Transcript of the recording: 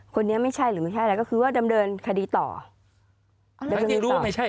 คนนี้ไม่ใช่หรือไม่ใช่อะไรก็คือว่าดำเดินคดีต่ออ๋อจริงจริงรู้ว่าไม่ใช่